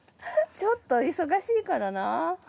ちょっと忙しいからな。